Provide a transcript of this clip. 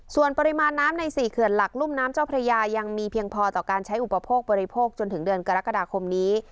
ส่วนปริมาณน้ำใน๔เขื่อนหลักรุ่มน้ำเจ้าพระยายังมีเพียงพอต่อการใช้อุปโภคบริโภคจนถึงเดือนกรกฎาคมนี้